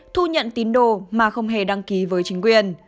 thu nhận tín đồ mà không hề đăng ký với chính quyền